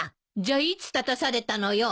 じゃいつ立たされたのよ。